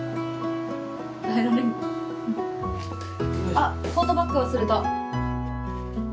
あっトートバッグ忘れた。